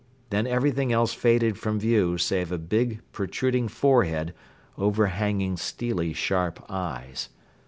Then everything else faded from view save a big, protruding forehead overhanging steely sharp eyes.